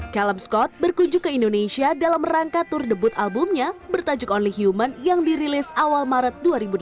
calm scott berkunjung ke indonesia dalam rangka tour debut albumnya bertajuk only human yang dirilis awal maret dua ribu delapan belas